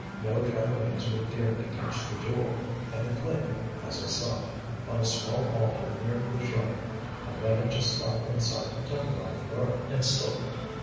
No Japanese would dare to touch the jewel, and it lay as I saw on a small altar near the shrine. I managed to stop inside the temple after dark, and stole it."